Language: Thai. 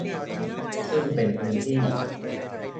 ซึ่งเป็นพื้นที่